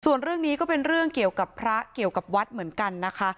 ส่วนเรื่องนี้ก็เป็นเรื่องเกี่ยวกับพระเกี่ยวกับวัดเหมือนกันนะคะ